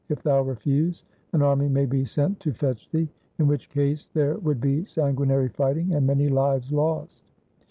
If thou refuse, an army may be sent to fetch thee, in which case there would be sanguinary fighting and many lives lost.'